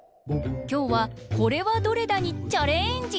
きょうは「これはどれだ？」にチャレンジ！